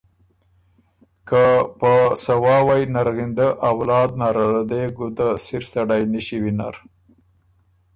که په سواوئ نرغِندۀ اولاد نره ره دې ګُده سِر سړئ نِݭی وینر